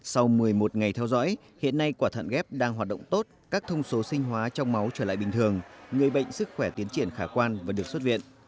sau một mươi một ngày theo dõi hiện nay quả thận ghép đang hoạt động tốt các thông số sinh hóa trong máu trở lại bình thường người bệnh sức khỏe tiến triển khả quan và được xuất viện